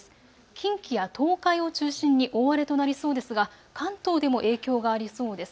近畿や東海を中心に大荒れとなりそうですが関東でも影響がありそうです。